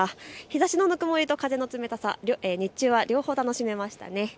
日ざしのぬくもりと風の冷たさ、日中は両方楽しめましたね。